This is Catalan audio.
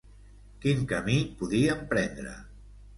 Quin camí podíem prendre?